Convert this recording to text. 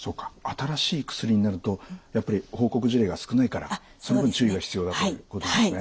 新しい薬になるとやっぱり報告事例が少ないからその分注意が必要だということなんですね。